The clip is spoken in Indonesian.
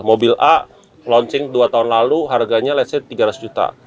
mobil a launching dua tahun lalu harganya ⁇ lets ⁇ say tiga ratus juta